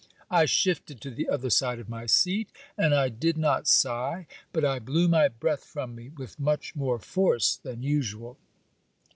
I shifted to the other side of my seat; and I did not sigh; but I blew my breath from me with much more force than usual.